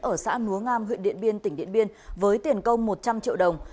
ở xã núa ngam huyện điện biên tỉnh điện biên với tiền công một trăm linh triệu đồng